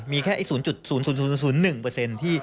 มีแค่๐๐๐๑ที่รู้สึก